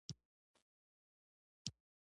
ځینې انځورونه مو واخیستل.